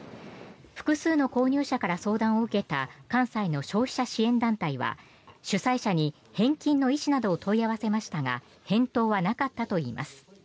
複数の購入者から相談を受けた関西の消費者支援団体は主催者に返金の意思などを問い合わせましたが返答はなかったといいます。